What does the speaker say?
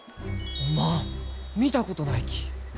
おまん見たことないき！